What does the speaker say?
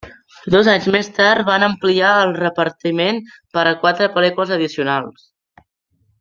Dos anys més tard van ampliar el repartiment per a quatre pel·lícules addicionals.